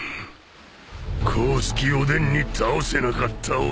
光月おでんに倒せなかった男を。